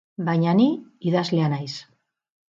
Baina ni idazlea naiz.